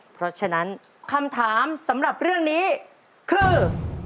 เพราะฉะนั้นคำถามสำหรับเรื่องนี้คือ